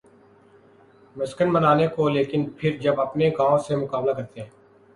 مسکن بنانے کو لیکن پھر جب اپنے گاؤں سے مقابلہ کرتے ہیں۔